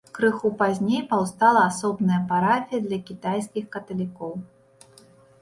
Крыху пазней паўстала асобная парафія для кітайскіх каталікоў.